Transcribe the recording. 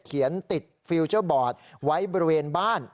ติดฟิลเจอร์บอร์ดไว้บริเวณบ้าน